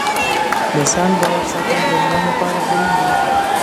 د ځان باور ساتل د ژوند لپاره اړین دي.